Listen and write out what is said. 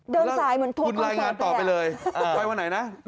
เดินสายเหมือนทุกคนเขินไปอะคุณรายงานต่อไปเลยไปวันไหนนะ